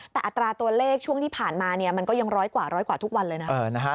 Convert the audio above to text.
แต่อัตราตัวเลขช่วงที่ผ่านมามันก็ยังร้อยกว่าทุกวันเลยนะ